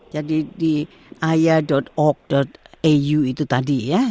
jadi di aya org au itu tadi ya